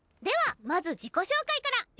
ではまず自己紹介から！